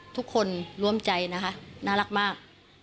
ทุกคนร่วมใจนะคะน่ารักมาก